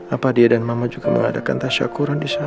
apa dia dan mama juga mengadakan tasyakuran di sana